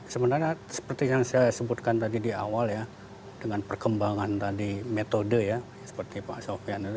sebenarnya seperti yang saya sebutkan tadi di awal ya dengan perkembangan tadi metode ya seperti pak sofian